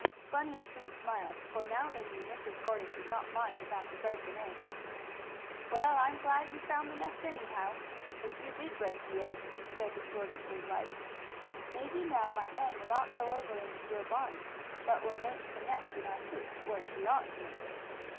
Bunny and Sue smiled, for now they knew Mrs. Gordon did not mind about the broken eggs. "Well, I'm glad you found the nest, anyhow, if you did break the eggs," said the storekeeper's wife. "Maybe now my hen will not go over into your barn, but will make her nest in our coop, where she ought to make it.